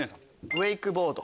ウェイクボード。